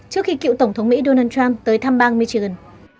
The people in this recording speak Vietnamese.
trước khi cựu tổng thống mỹ donald trump tới thăm bang michigan